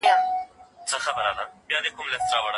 دا نوې ټیکنالوژي په روغتونونو کې د ناروغانو څارنه کوي.